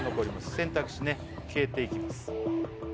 選択肢ね消えていきます